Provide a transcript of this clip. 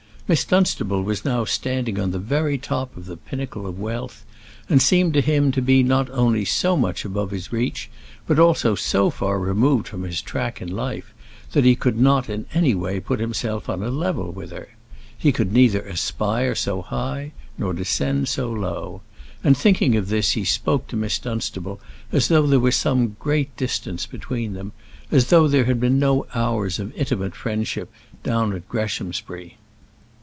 Miss Dunstable was now standing on the very top of the pinnacle of wealth, and seemed to him to be not only so much above his reach, but also so far removed from his track in life, that he could not in any way put himself on a level with her. He could neither aspire so high nor descend so low; and thinking of this he spoke to Miss Dunstable as though there were some great distance between them, as though there had been no hours of intimate friendship down at Greshamsbury.